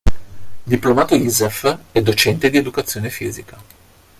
Diplomato Isef, è docente di educazione fisica.